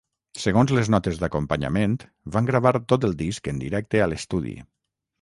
Segons les notes d'acompanyament, van gravar tot el disc en directe a l'estudi.